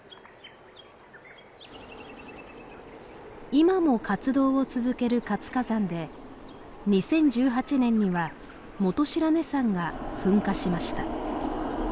今も活動を続ける活火山で２０１８年には本白根山が噴火しました。